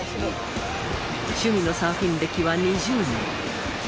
趣味のサーフィン歴は２０年。